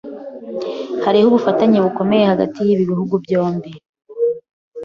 Hariho ubufatanye bukomeye hagati yibi bihugu byombi.